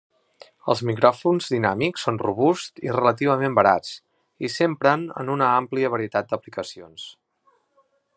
Els micròfons dinàmics són robusts i relativament barats, i s'empren en una àmplia varietat d'aplicacions.